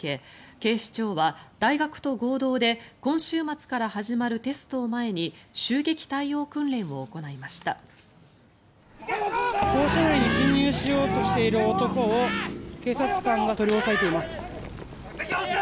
警視庁は大学と合同で今週末から始まるテストを前に襲撃対応訓練を行いました。